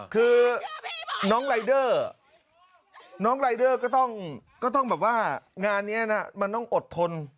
คือน้องรายเดอร์ก็ต้องแบบว่างานนี้มันต้องอดทน